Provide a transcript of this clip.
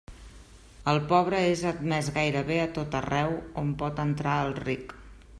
El pobre és admès gairebé a tot arreu on pot entrar el ric.